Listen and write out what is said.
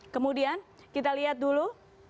kemudian kita lihat dulu